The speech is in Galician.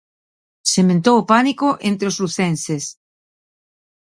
Sementou o pánico entre os lucenses.